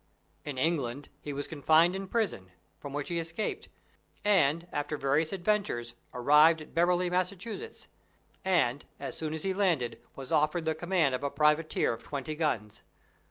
In England he was confined in prison, from which he escaped, and, after various adventures, arrived at Beverly, Massachusetts, and, as soon as he landed, was offered the command of a privateer of twenty guns.